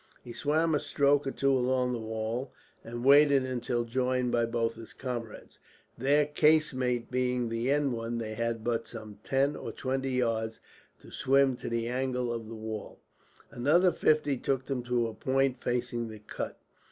He swam a stroke or two along the wall, and waited until joined by both his comrades. Their casemate being the end one, they had but some ten or twelve yards to swim to the angle of the wall. Another fifty took them to a point facing the cut.